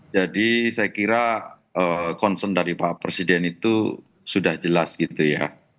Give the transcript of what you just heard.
jadi saya kira concern dari pak presiden itu sudah jelas gitu ya